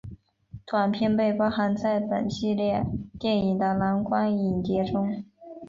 短片被包含在本系列电影的蓝光影碟中。